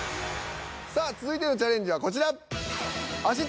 さあ続いてのチャレンジはこちら。